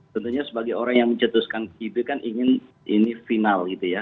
tentunya sebagai orang yang mencetuskan kib kan ingin ini final gitu ya